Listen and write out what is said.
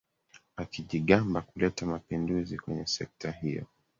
akijigamba kuleta mapinduzi kwenye sekta hiyo